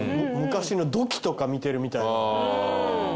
昔の土器とか見てるみたいな。